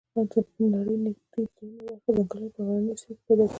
د نړۍ نږدي دریمه برخه ځنګلونه په غرنیو سیمو کې پیدا کیږي